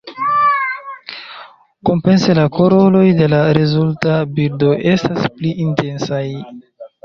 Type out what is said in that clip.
Kompense la koloroj de la rezulta bildo estas pli intensaj.